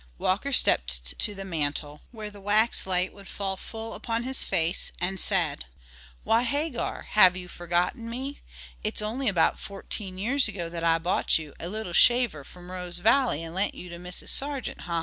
Walker stepped to the mantel where the wax light would fall full upon his face, and said: "Why, Hagar, have you forgotten me? It's only about fourteen years ago that I bought you, a leetle shaver, from Rose Valley, and lent you to Mrs. Sargeant, ha, ha, ha!"